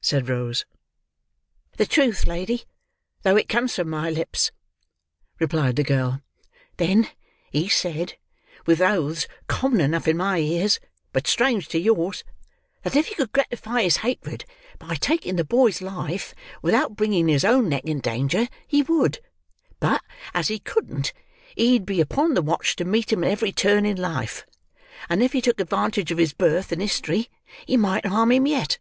said Rose. "The truth, lady, though it comes from my lips," replied the girl. "Then, he said, with oaths common enough in my ears, but strange to yours, that if he could gratify his hatred by taking the boy's life without bringing his own neck in danger, he would; but, as he couldn't, he'd be upon the watch to meet him at every turn in life; and if he took advantage of his birth and history, he might harm him yet.